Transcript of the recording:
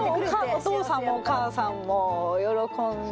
お父さんもお母さんも喜んで。